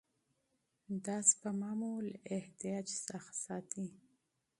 دا سپما مو له احتیاج څخه ساتي.